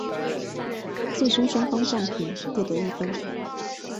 最终双方战平各得一分。